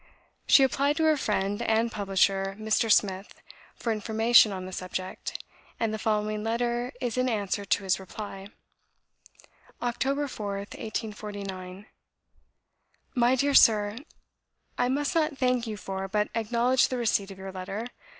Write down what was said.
She applied to her friend and publisher, Mr. Smith, for information on the subject; and the following letter is in answer to his reply: "Oct. 4th, 1849. "My dear Sir, I must not THANK you for, but acknowledge the receipt of your letter.